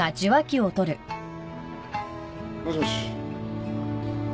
もしもし。